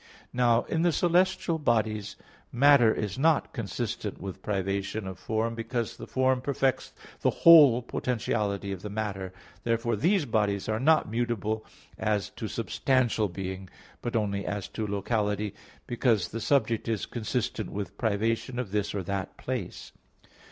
Now in the celestial bodies matter is not consistent with privation of form, because the form perfects the whole potentiality of the matter; therefore these bodies are not mutable as to substantial being, but only as to locality, because the subject is consistent with privation of this or that place.